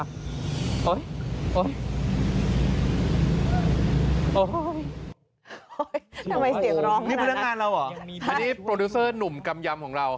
ทำไมเสียงร้องนี่มีเว่นงานเราหรือนี่หนุ่มกำยำยำของเรา